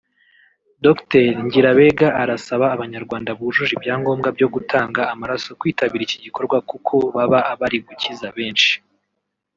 Dr Ngirabega arasaba Abanyarwanda bujuje ibyangombwa byo gutanga amaraso kwitabira iki gikorwa kuko baba bari gukiza benshi